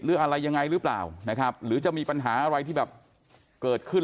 หรืออะไรยังไงหรือเปล่านะครับหรือจะมีปัญหาอะไรที่แบบเกิดขึ้น